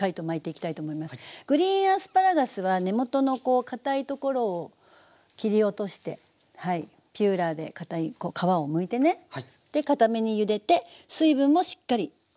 グリーンアスパラガスは根元のかたいところを切り落としてピューラーでかたい皮をむいてねかためにゆでて水分もしっかり切ってあげる。